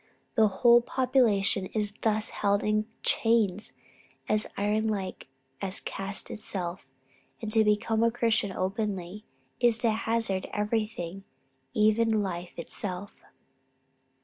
The whole population is thus held in chains, as iron like as caste itself; and to become a Christian openly, is to hazard everything, even life itself."